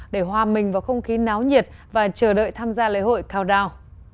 để hòa mình vào không khí náo nhiệt và chờ đợi tham gia lễ hội cao đao